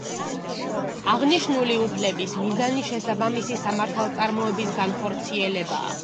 აღნიშნული უფლების მიზანი შესაბამისი სამართალწარმოების განხორციელებაა.